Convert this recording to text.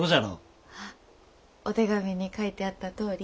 あお手紙に書いてあったとおり。